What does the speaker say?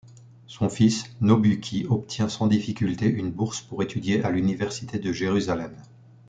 Son fils, Nobuki, obtient sans difficulté une bourse pour étudier à l'université de Jérusalem.